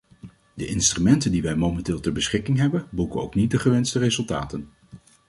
De instrumenten die wij momenteel ter beschikking hebben boeken ook niet de gewenste resultaten.